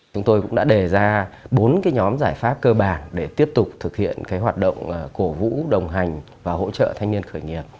chúng tôi cũng đã đề ra bốn nhóm giải pháp cơ bản để tiếp tục thực hiện hoạt động cổ vũ đồng hành và hỗ trợ thanh niên khởi nghiệp